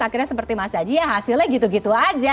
akhirnya seperti mas yaji hasilnya gitu gitu saja